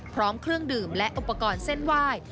พร้อมเครื่องดื่มและอุปกรณ์เส้นไหว้